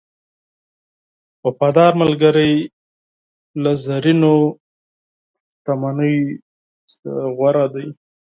وفادار دوست له زرینو شتمنیو نه غوره دی.